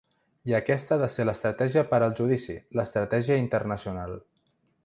I aquesta ha de ser l’estratègia per al judici, l’estratègia internacional.